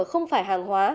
không phải hàng hóa